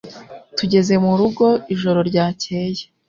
Tugeze murugo ijoro ryakeye